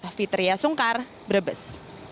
tujuan dengan selamat